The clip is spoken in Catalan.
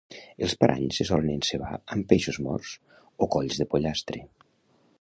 Els paranys se solen encebar amb peixos morts o colls de pollastre.